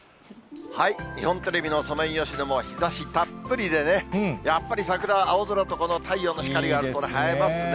日本テレビのソメイヨシノも日ざしたっぷりでね、やっぱり桜は青空とこの太陽の光が映えますね。